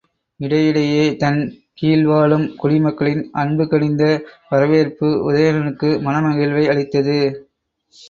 இடைஇடையே தன் கீழ் வாழும் குடி மக்களின் அன்பு கனிந்த வரவேற்பு உதயணனுக்கு மனகிழ்வை அளித்தது.